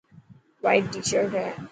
وائٽ ٽي شرٽ هي.